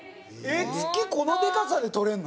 月、このでかさで撮れるの？